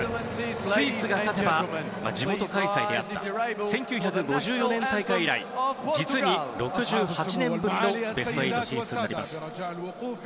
スイスが勝てば地元開催であった１９５４年大会以来実に６８年ぶりのベスト８進出になります。